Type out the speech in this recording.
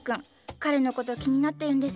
彼のこと気になってるんです。